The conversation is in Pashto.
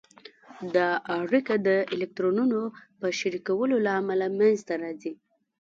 دا اړیکه د الکترونونو په شریکولو له امله منځته راځي.